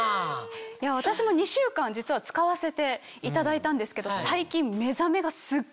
私も２週間実は使わせていただいたんですけど最近。